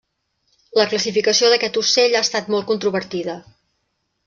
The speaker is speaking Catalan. La classificació d'aquest ocell ha estat molt controvertida.